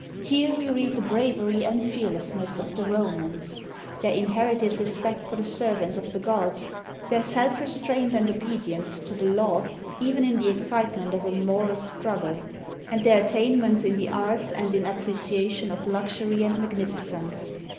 Here we read the bravery and fearlessness of the Romans, their inherited respect for the servants of the gods, their self restraint and obedience to the law even in the excitement of a moral struggle, and their at tainments in the arts and in appreciation of luxury and magnificence.